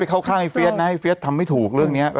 เข้าข้างไอเฟียสนะไอเฟียสทำไม่ถูกเรื่องนี้